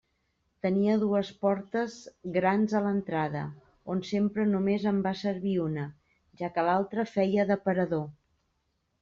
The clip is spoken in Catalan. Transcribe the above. Tenia dues portes grans a l'entrada, on sempre només en va servir una, ja que l'altra feia d'aparador.